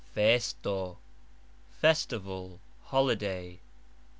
festo : festival, holiday.